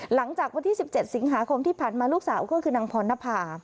หลังจากวันที่๑๗สิงหาคมที่ผ่านมาลูกสาวก็คือนางพรณภา